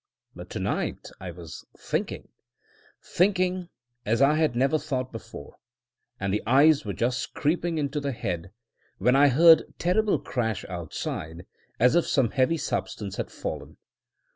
But to night I was thinking, thinking, as I had never thought before, and the eyes were just creeping into the head when I heard terrible crash outside as if some heavy substance had fallen.